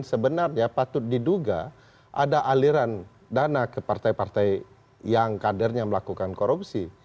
sebenarnya patut diduga ada aliran dana ke partai partai yang kadernya melakukan korupsi